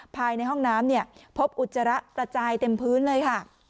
ภายในห้องน้ำเนี่ยพบอุจจาระกระจายเต็มพื้นเลยค่ะ